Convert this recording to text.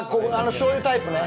しょうゆタイプね。